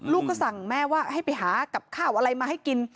ก็สั่งแม่ว่าให้ไปหากับข้าวอะไรมาให้กิน